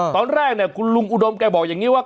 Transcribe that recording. ตอนแรกเนี่ยคุณลุงอุดมแกบอกอย่างนี้ว่า